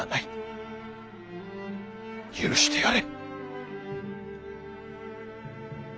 許してやれ。